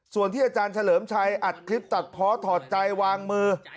ส่วนที่อาจารย์เฉลิมชัยอัดคลิปตัดเพาะถอดใจวางมือ